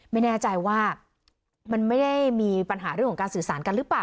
ไม่แน่ใจว่ามันไม่ได้มีปัญหาเรื่องของการสื่อสารกันหรือเปล่า